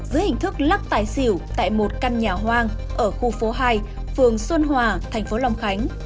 dưới hình thức lắc tài xỉu tại một căn nhà hoang ở khu phố hai phường xuân hòa thành phố long khánh